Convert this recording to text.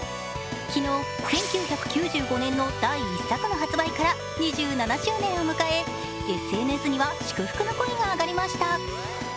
昨日１９９５年の第１作の発売から２７周年を迎えＳＮＳには祝福の声が上がりました。